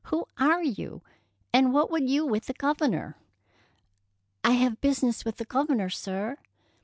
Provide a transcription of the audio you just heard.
Who are you, and what would you with the Governor?" " I have business with the Governor, sir."